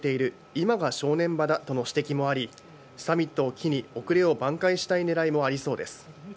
今が正念場だとの指摘もあり、サミットを機に、遅れを挽回したいねらいもありそうです。